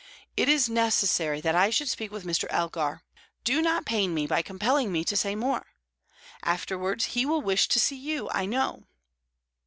It is necessary that I should speak with Mr. Elgar; do not pain me by compelling me to say more. Afterwards, he will wish to see you, I know."